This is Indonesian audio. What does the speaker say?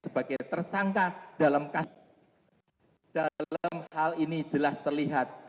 sebagai tersangka dalam hal ini jelas terlihat